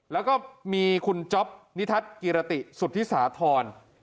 แล้วก็มีคุณจ๊อปนิทัศน์กิรติสุธิสาธร